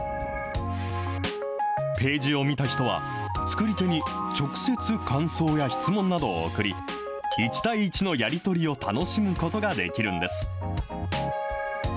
ページを見た人は、作り手に直接感想や質問などを送り、１対１のやり取りを楽しむことができるんです。